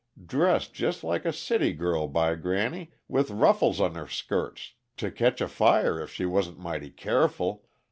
Dressed jest like a city girl, by granny! with ruffles on her skirts to ketch afire if she wasn't mighty keerful!